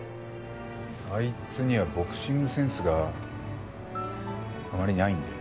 あいつにはボクシングセンスがあまりないんで。